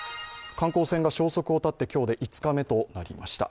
観光船が消息を絶って今日で５日目となりました。